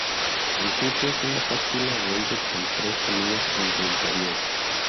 El fruto es una cápsula ovoide con tres semillas en su interior.